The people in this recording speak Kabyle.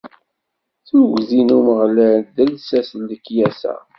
Tuggdi n Umeɣlal, d lsas n lekyasa.